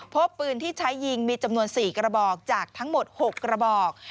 พบปืนที่ใช้ยิงมีจำนวน๔กระบอกจากทั้งหมด๖กระบอก